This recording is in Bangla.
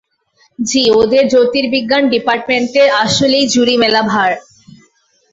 জ্বি, ওদের জ্যোতির্বিজ্ঞান ডিপার্টমেন্টের আসলেই জুড়ি মেলা ভার!